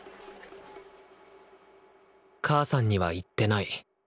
母さんには言ってない。